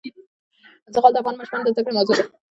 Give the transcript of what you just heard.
زغال د افغان ماشومانو د زده کړې موضوع ده.